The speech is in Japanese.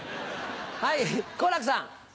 はい好楽さん。